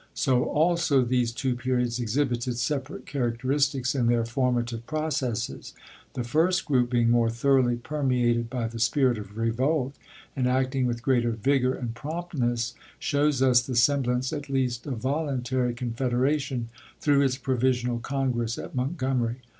So also these two periods ex hibited separate characteristics in their formative processes. The fii'st group, being more thoroughly permeated by the spirit of revolt, and acting with greater vigor and promptness, shows lis the sem blance at least of voluntary confederation, through its Provisional Congress at Montgomery.